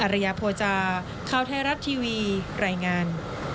ระยะโภจาข่าวไทยรัฐทีวีรายงาน